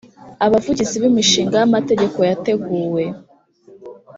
abavugizi b imishinga y amategeko yateguwe